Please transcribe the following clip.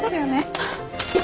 あっ！